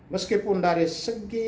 meskipun dari segi